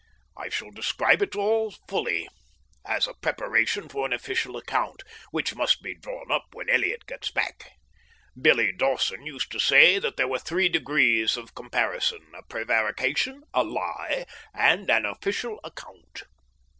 I shall describe it all fully as a preparation for an official account, which must be drawn up when Elliott gets back. Billy Dawson used to say that there were three degrees of comparison a prevarication, a lie, and an official account.